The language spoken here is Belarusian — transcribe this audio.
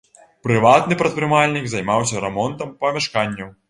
Прыватны прадпрымальнік, займаўся рамонтам памяшканняў.